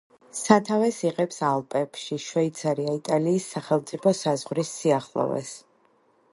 სათავეს იღებს ალპებში, შვეიცარია-იტალიის სახელმწიფო საზღვრის სიახლოვეს.